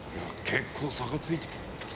結構差がついてきてる。